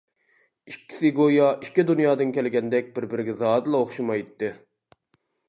ئىككىسى گويا ئىككى دۇنيادىن كەلگەندەك بىر-بىرىگە زادىلا ئوخشىمايتتى.